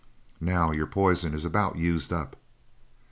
Now your poison is about used up."